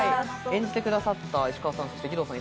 演じてくださった石川さんと義堂さん